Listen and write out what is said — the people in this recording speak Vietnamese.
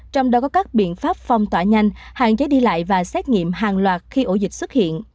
trong đó có các biện pháp phong tỏa nhanh hạn chế đi lại và xét nghiệm hàng loạt khi ổ dịch xuất hiện